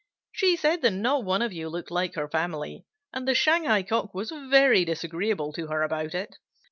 She said that not one of you looked like her family, and the Shanghai Cock was very disagreeable to her about it.